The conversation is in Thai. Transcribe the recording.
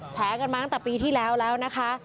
แฉกันมาตั้งแต่ปีที่แล้วแล้วนะคะ